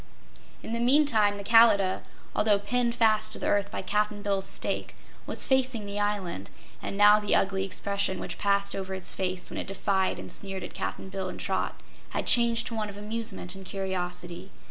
In the meantime, the Kalidah, although pinned fast to the earth by Cap'n Bill's stake, was facing the island, and now the ugly expression which passed over its face when it defied and sneered at Cap'n Bill and Trot, had changed to one of amusement and curiosity.